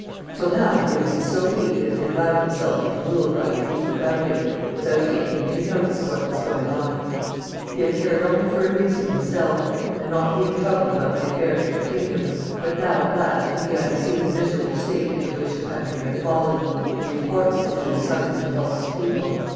Till now he had been so weak that he had allowed himself to be ruled by the people about him, with out taking any notice of what was going on. He had cared only for amusing himself, and not being troubled to settle the affairs of the kingdom ; but now at last he began to XXX.] CHARLES VIL 209 see the miserable state into which the country had fallen, and the importance of doing something to help his people.